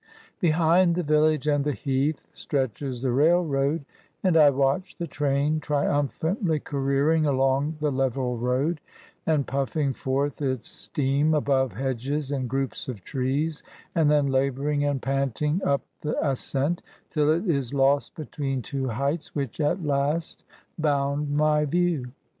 Behind the village and the heath, stretches the rail road; and I watch the train triumphantly careering along the level road, and puffing forth its steam above hedges and groups of trees, and then labouring and panting up the ascent, till it is lost between two heights, which at last bound my view.